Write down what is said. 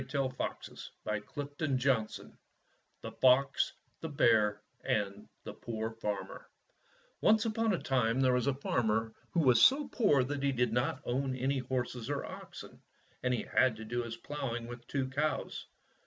THE FOX, THE BEAll, AND THE POOR FARMER THE FOX, THE BEAR, AND THE POOR FARMER O NCE upon a time there was a farmer who was so poor that he did not own any horses or oxen, and he had to do his ploughing with two cows.